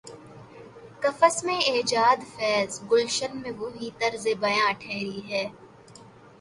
قفس میں ایجادفیض، گلشن میں وہی طرز بیاں ٹھہری ہے۔